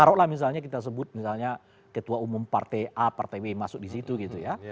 taruhlah misalnya kita sebut misalnya ketua umum partai a partai b masuk di situ gitu ya